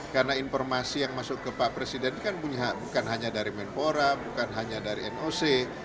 karena informasi yang masuk ke pak presiden kan bukan hanya dari menpora bukan hanya dari noc